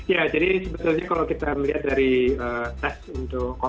ya jadi sebetulnya kalau kita mencari